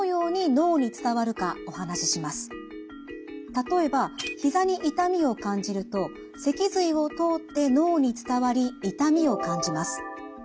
例えばひざに痛みを感じると脊髄を通って脳に伝わり痛みを感じます。